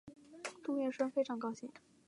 杜月笙十分高兴。